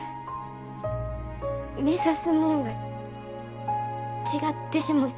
目指すもんが違ってしもた。